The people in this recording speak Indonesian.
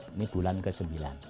ini bulan ke sembilan